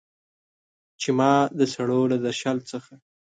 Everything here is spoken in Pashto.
چې ما د سړو له درشل څخه